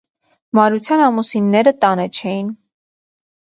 Մարության ամուսինները տանը չէին: